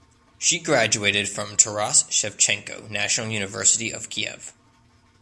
She graduated from Taras Shevchenko National University of Kyiv.